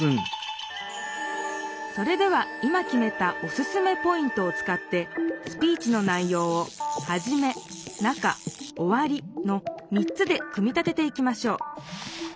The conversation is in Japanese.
それでは今きめたおすすめポイントを使ってスピーチの内ようを「はじめ」「中」「おわり」の３つで組み立てていきましょう。